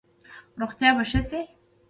روغتیا به ښه شي؟